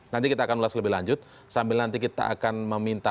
nanti kita akan ulas lebih lanjut sambil nanti kita akan meminta